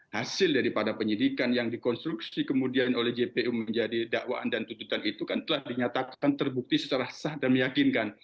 hasil daripada penyidikan yang dikonstruksi kemudian oleh jpu menjadi dakwaan dan tuntutan itu kan telah dinyatakan terbukti secara sah dan meyakinkan